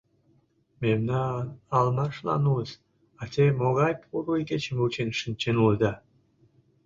Мемнан алмашлан улыс, а те могай поро игечым вучен шинчен улыда!